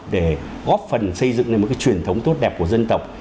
để góp phần xây dựng nên một cái truyền thống tốt đẹp của dân tộc